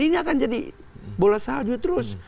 ini akan jadi bola salju terus